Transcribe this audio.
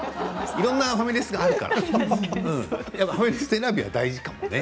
いろんなファミレスがあるからお店選びは大事かもね。